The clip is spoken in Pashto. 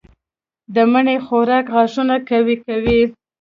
د مڼې خوراک غاښونه قوي کوي.